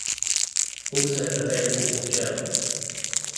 Also available in German.